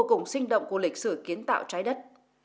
nó là một vùng sinh động của lịch sử kiến tạo trái đất